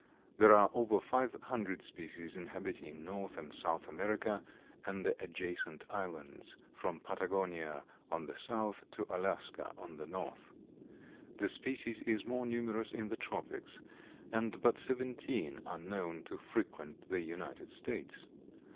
There are over five hundred species inhabiting North and South America and the adjacent islands, from Patagonia on the South to Alaska on the North. The species is more numerous in the tropics and but seventeen are known to frequent the United States.